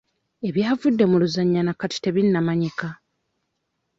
Ebyavudde mu luzannya na kati tebinnamanyika.